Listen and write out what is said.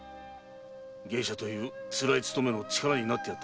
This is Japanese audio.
芸者というつらい勤めの力になってやったんだぞ。